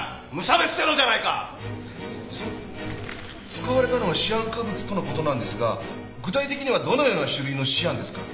使われたのはシアン化物との事なんですが具体的にはどのような種類のシアンですか？